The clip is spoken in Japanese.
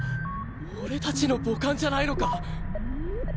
俺たちの母艦じゃないのか？